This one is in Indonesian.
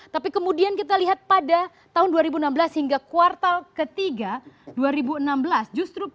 tapi kemudian kita lihat pada tahun dua ribu enam belas hingga kuartal ke tiga dua ribu enam belas justru pertamina tumbuh sangat sempurna